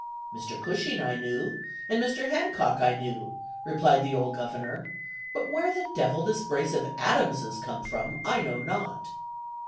'Mr. Cushing I knew, and Mr. Hancock I knew,' replied the old Governor, 'but where the devil this brace of Adamses came from, I know not.'